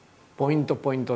ポイント